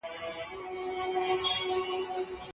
ګټه به ستا د زیار په اندازه ستا په برخه شي.